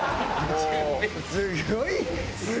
すごい。